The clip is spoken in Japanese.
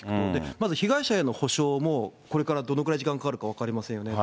まず被害者への補償もこれからどのくらい時間かかるか分かりませんよね。